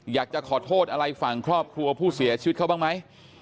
อยากจะขอโทษอะไรฝั่งครอบครัวผู้เสียชีวิตเขาบ้างไหม